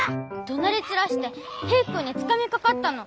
どなりちらしてヒーくんにつかみかかったの。